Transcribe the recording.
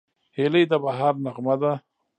هیلۍ د بهار نغمه ده